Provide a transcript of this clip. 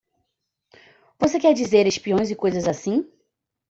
Você quer dizer espiões e coisas assim?